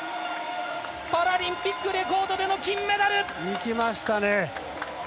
パラリンピックレコードでの金メダル！いきましたね！